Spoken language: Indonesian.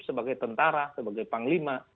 sebagai tentara sebagai panglima